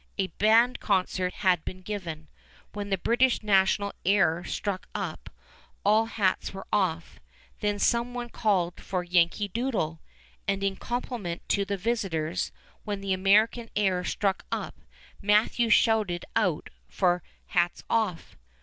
A band concert had been given. When the British national air struck up, all hats were off. Then some one called for "Yankee Doodle," and in compliment to the visitors, when the American air struck up, Matthews shouted out for "hats off."